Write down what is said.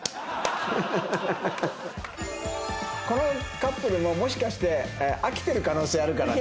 このカップルももしかして飽きてる可能性あるからね。